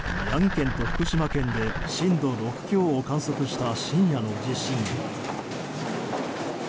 宮城県と福島県で震度６強を観測した昨夜の地震。